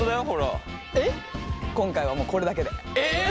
今回はもうこれだけで。え！？